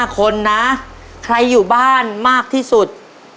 ๕คนนะใครอยู่บ้านมากที่สุด